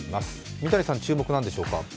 三谷さん、注目は何でしょうか？